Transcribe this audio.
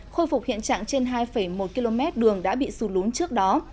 khôi phục hiện trạng trên hai một km đường đã bị sụt lún trước đó